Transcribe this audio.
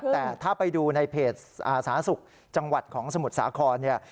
แต่ถ้าไปดูในเพจสาธารณสุขจังหวัดของสมุทรสาครเนี่ย